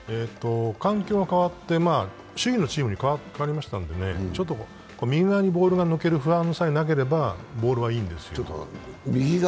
環境が変わって、首位のチームに変わりましたのでね、ちょっと右側にボールが抜ける不安さえなければ、ボールはいいんですよ。